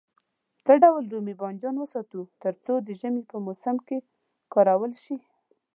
څه ډول رومي بانجان وساتو تر څو د ژمي په موسم کې کارول شي.